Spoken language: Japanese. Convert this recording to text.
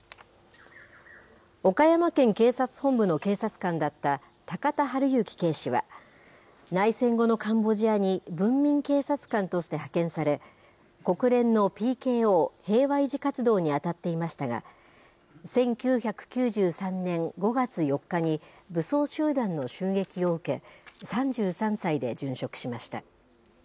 岡山県警察本部の警察官だった高田晴行警視は、内戦後のカンボジアに文民警察官として派遣され、国連のＰＫＯ・平和維持活動に当たっていましたが、１９９３年５月４日に武装集団の襲撃を受け、３３歳で殉職しました。